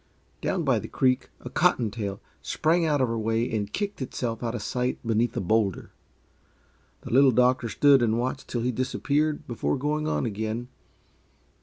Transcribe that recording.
Down by the creek a "cotton tail" sprang out of her way and kicked itself out of sight beneath a bowlder. The Little Doctor stood and watched till he disappeared, before going on again.